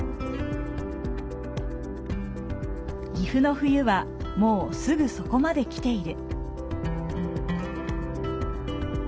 岐阜の冬はもうすぐそこまで来ている。